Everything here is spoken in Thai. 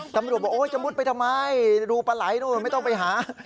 ตำรวจบอกโอ๊ยจะมุดไปทำไมรูปลาไหลนู่นไม่ต้องไปหา